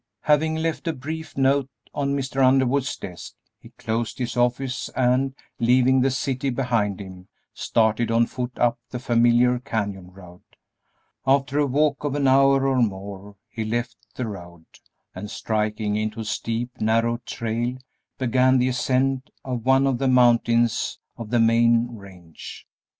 Having left a brief note on Mr. Underwood's desk he closed his office, and, leaving the city behind him, started on foot up the familiar canyon road. After a walk of an hour or more he left the road, and, striking into a steep, narrow trail, began the ascent of one of the mountains of the main range.